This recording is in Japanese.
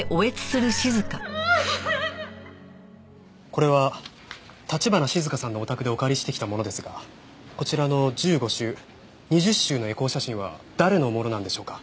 これは橘静香さんのお宅でお借りしてきたものですがこちらの１５週２０週のエコー写真は誰のものなんでしょうか？